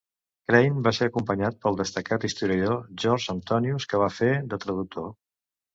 Crane va ser acompanyat pel destacat historiador George Antonius, que va fer de traductor.